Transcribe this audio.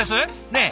ねえ！